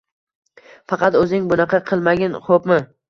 Faqat o‘zing bunaqa qilmagin, xo‘pmi?